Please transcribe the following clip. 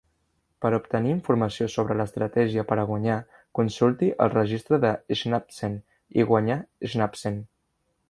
Per a obtenir informació sobre l'estratègia per a guanyar, consulti "El registre de Schnapsen" i "Guanyar Schnapsen".